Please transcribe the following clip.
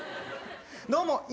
どうも！